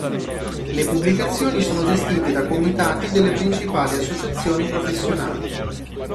Le pubblicazioni sono gestite da comitati delle principali associazioni professionali.